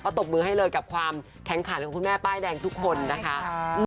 ตบมือให้เลยกับความแข็งขันของคุณแม่ป้ายแดงทุกคนนะคะ